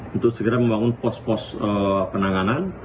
untuk segera membangun pos pos penanganan